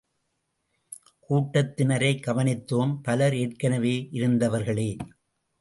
கூட்டத்தினரைக் கவனித்தோம் பலர் ஏற்கெனவே இருந்தவர்களே.